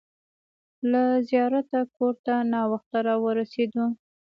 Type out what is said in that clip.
له زیارته کور ته ناوخته راورسېدو.